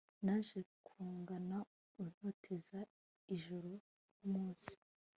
naje nkugana untoteza ijoro n'umunsi